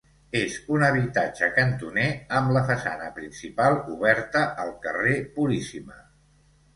És un habitatge cantoner amb la façana principal oberta al carrer Puríssima.